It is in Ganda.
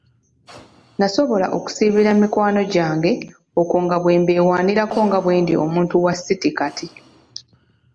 Nasobola okusiibula mikwano gyange okwo nga bwe mbeewaanirako nga bwendi muntu wa city kati.